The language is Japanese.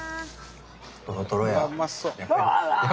トロトロや。